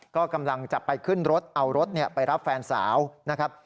ก็กำลังจะไปขึ้นรถเอารถไปรับแฟนสาวนะครับ